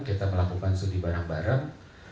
kita melakukan studi bareng bareng